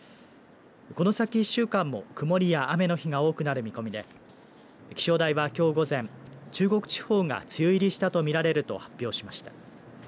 この先１週間も曇りや雨の日が多くなる見込みで気象台は、きょう午前中国地方が梅雨入りしたとみられると発表しました。